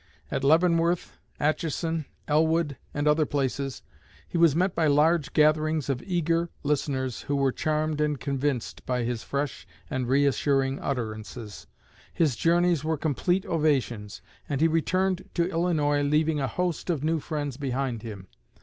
At Leavenworth, Atchison, Elwood, and other places, he was met by large gatherings of eager listeners who were charmed and convinced by his fresh and reassuring utterances. His journeys were complete ovations, and he returned to Illinois leaving a host of new friends behind him.